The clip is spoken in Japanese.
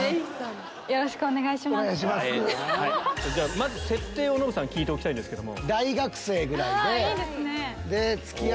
まず設定をノブさんに聞いておきたいんですけども。